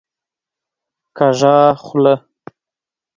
کږه خوله